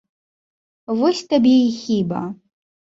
Вось табе і хіба.